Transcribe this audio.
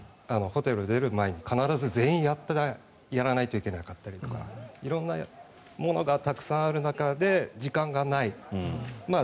ホテルを出る前に必ず全員やらないといけなかったりとか色んなものがたくさんある中で時間がない。